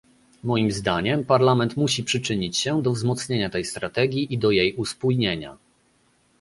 Moim zdaniem Parlament musi przyczynić się do wzmocnienia tej strategii i do jej uspójnienia